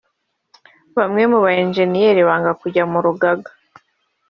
Bamwe mu ba Enjeniyeri banga kujya mu rugaga